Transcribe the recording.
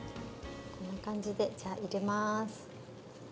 こんな感じでじゃあ入れます。